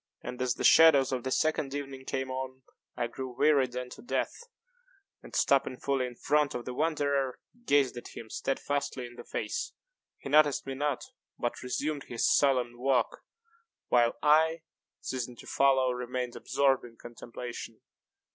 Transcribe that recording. And, as the shades of the second evening came on, I grew wearied unto death, and, stopping fully in front of the wanderer, gazed at him steadfastly in the face. He noticed me not, but resumed his solemn walk, while I, ceasing to follow, remained absorbed in contemplation.